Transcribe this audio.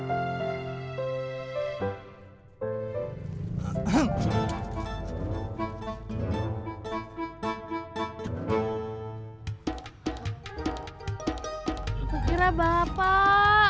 aku kira bapak